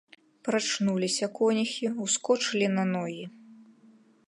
Прачнуліся конюхі, ускочылі на ногі.